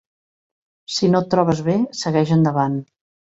Si no et trobes bé, segueix endavant.